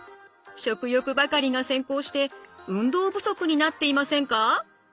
食欲ばかりが先行して運動不足になっていませんか？